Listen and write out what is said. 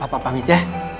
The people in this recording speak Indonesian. pak pamit ya